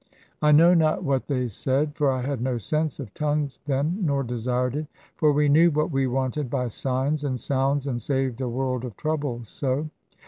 I know not what they said, for I had no sense of tongues then, nor desired it; for we knew what we wanted by signs, and sounds, and saved a world of trouble so.